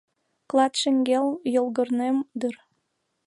Клат шеҥгел йолгорнем дыр